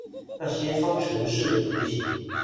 那些方程式的圖形